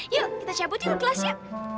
yuk kita cabutin ke kelas ya